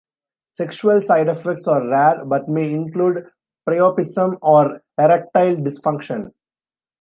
Sexual side effects are rare, but may include priapism or erectile dysfunction.